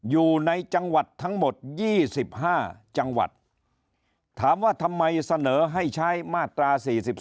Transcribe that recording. อยู่ในจังหวัดทั้งหมด๒๕จังหวัดถามว่าทำไมเสนอให้ใช้มาตรา๔๒